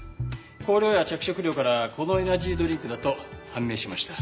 香料や着色料からこのエナジードリンクだと判明しました。